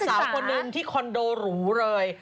สะพานเลยคนงึงที่คอนโดหรูเลย